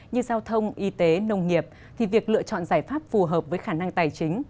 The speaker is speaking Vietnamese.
như giao thông y tế nông nghiệp thì việc lựa chọn giải pháp phù hợp với khả năng tài chính